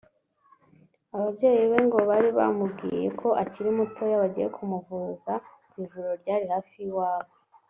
Ababyeyi be ngo bari baramubwiye ko akiri mutoya bagiye kumuvuza ku ivuriro ryari hafi y’iwabo